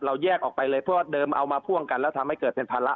แยกออกไปเลยเพราะว่าเดิมเอามาพ่วงกันแล้วทำให้เกิดเป็นภาระ